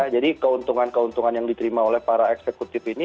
jadi keuntungan keuntungan yang diterima oleh para eksekutif ini